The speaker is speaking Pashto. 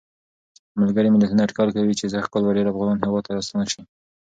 م.م اټکل کوي چې سږ کال به ډېر افغانان هېواد ته راستانه شي.